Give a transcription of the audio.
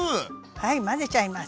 はい混ぜちゃいます。